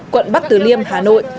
quận bắc tử liêm hà nội